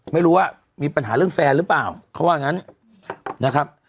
ไม่รู้ว่ามีปัญหาเรื่องแฟนหรือเปล่าเขาว่างั้นนะครับ